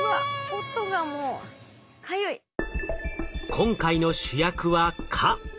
今回の主役は蚊。